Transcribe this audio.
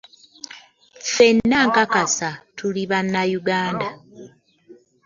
Ffenna nkakasa tuli bannayuganda.